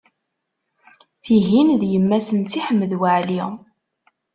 Tihin d yemma-s n Si Ḥmed Waɛli.